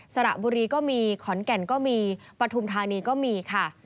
สระบุรีก็มีขอนแก่นก็มีปฐุมธานีก็มีค่ะ